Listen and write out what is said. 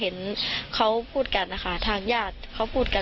เพราะไม่เคยถามลูกสาวนะว่าไปทำธุรกิจแบบไหนอะไรยังไง